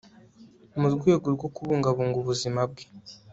mu rwego rwo kubungabunga ubuzima bwe